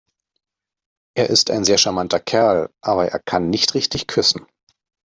Er ist ein sehr charmanter Kerl, aber er kann nicht richtig küssen.